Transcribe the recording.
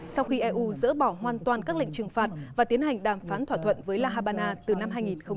sau khi eu dỡ bỏ hoàn toàn các lệnh trừng phạt và tiến hành đàm phán thỏa thuận với la habana từ năm hai nghìn một mươi năm